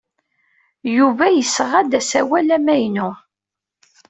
Yuba yesɣa-d asawal amaynu.